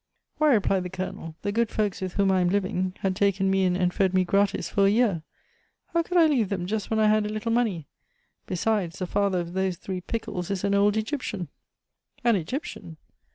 "Why," replied the Colonel, "the good folks with whom I am living had taken me in and fed me gratis for a year. How could I leave them just when I had a little money? Besides, the father of those three pickles is an old Egyptian " "An Egyptian!"